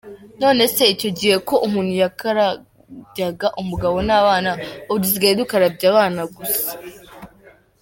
Nonese icyo gihe ko umuntu yakarabyaga umugabo n’abana, ubu dusigaye dukarabya abana gusa.